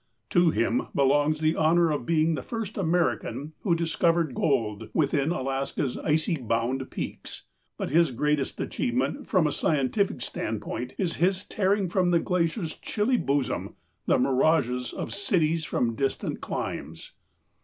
" To him belongs the honor of being the first American who discovered gold within Alaska's icy bound peaks, but his greatest achievement from a scientific standpoint is his tearing from the glacier's chilly bosom the ' mirages ' of cities from distant climes.